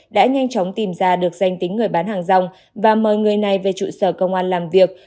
đã nhanh chóng tìm ra được danh tính người bán hàng rong và mời người này về trụ sở công an làm việc